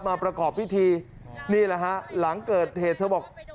ประกอบพิธีนี่แหละฮะหลังเกิดเหตุเธอบอก